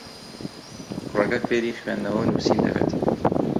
کوڕەکە فێری خوێندنەوە و نووسین دەبێت.